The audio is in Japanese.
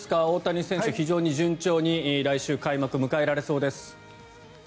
大谷選手、非常に順調に来週、開幕を迎えられそうです。